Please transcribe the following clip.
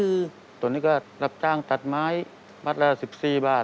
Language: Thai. อเรนนี่ต้องมีวัคซีนตัวหนึ่งเพื่อที่จะช่วยดูแลพวกม้ามและก็ระบบในร่างกาย